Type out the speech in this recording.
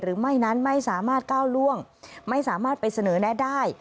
หรือไม่นั้นไม่สามารถก้าวล่วงไม่สามารถไปเสนอแนะได้